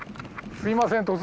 すいません